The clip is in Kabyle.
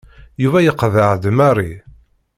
Yuba yeqḍeɛ-d Mary.